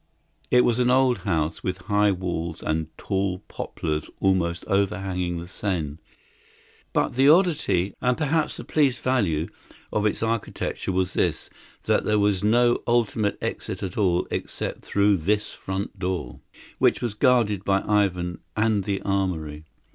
It was an old house, with high walls and tall poplars almost overhanging the Seine; but the oddity and perhaps the police value of its architecture was this: that there was no ultimate exit at all except through this front door, which was guarded by Ivan and the armoury.